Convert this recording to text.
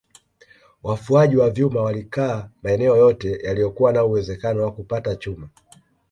Wafuaji wa vyuma walikaa maeneo yote yaliyokuwa na uwezekano wa kupata chuma